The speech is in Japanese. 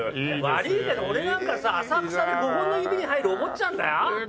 悪いけど俺なんかさ浅草で５本の指に入るお坊ちゃんだよ。